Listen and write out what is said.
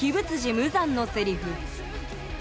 無惨のセリフ